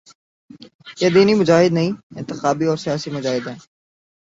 یہ دینی مجاہد نہیں، انتخابی اور سیاسی مجاہد ہیں۔